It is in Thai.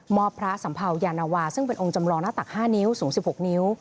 อบพระสัมเภายานวาซึ่งเป็นองค์จำลองหน้าตัก๕นิ้วสูง๑๖นิ้ว